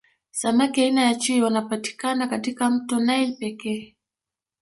samaki aina ya chui wanapatikana katika mto naili pekee